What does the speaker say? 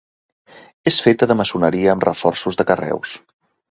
És feta de maçoneria amb reforços de carreus.